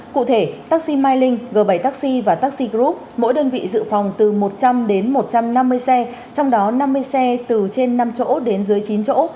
cụ thể taxi mai linh g bảy taxi và taxi group mỗi đơn vị dự phòng từ một trăm linh đến một trăm năm mươi xe trong đó năm mươi xe từ trên năm chỗ đến dưới chín chỗ